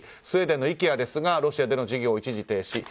スウェーデンのイケアですがロシアでの事業を一時停止。